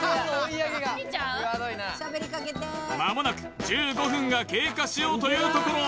間もなく１５分が経過しようというところ